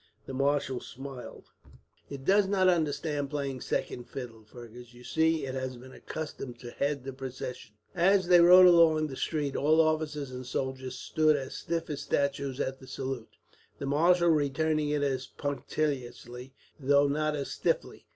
The marshal smiled. "It does not understand playing second fiddle, Fergus. You see, it has been accustomed to head the procession." As they rode along through the street, all officers and soldiers stood as stiff as statues at the salute, the marshal returning it as punctiliously, though not as stiffly.